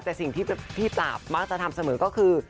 แต่สิ่งที่พี่ปราบมักจะทำเสมอก็คือ